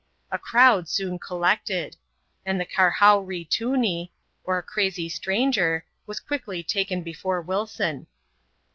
A crowd soon collected; and the ^'Kiarhawree toonee," or crazy stranger, was quickly taken before Wilson.